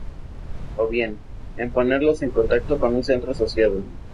O bien, en ponerlas en contacto con un Centro Asociado.